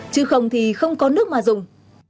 chứ không thì không có nước mà dùng